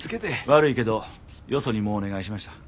悪いけどよそにもうお願いしました。